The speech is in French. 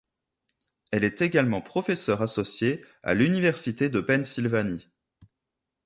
Elle est également professeure associée à l'Université de Pennsylvanie.